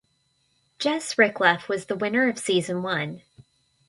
Jes Rickleff was the winner of Season One.